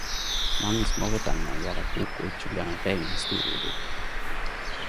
Mange småfortellingar gjer at boka ikkje blir ei rein historiebok.